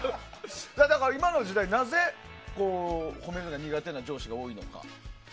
今の時代、なぜ褒めるのが苦手な上司が多いのか。